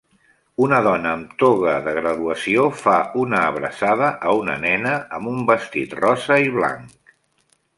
Una dona amb toga de graduació fa una abraçada a una nena amb un vestit rosa i blanc.